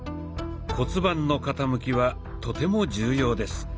骨盤の傾きはとても重要です。